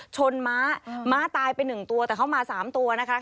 ชนม้าม้าตายไปหนึ่งตัวแต่เขามาสามตัวนะคะ